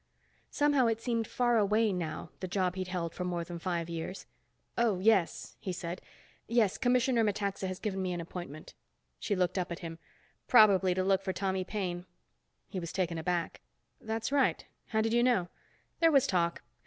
Somehow it seemed far away now, the job he'd held for more than five years. "Oh, yes," he said. "Yes, Commissioner Metaxa has given me an appointment." She looked up at him. "Probably to look for Tommy Paine." He was taken aback. "That's right. How did you know?" "There was talk.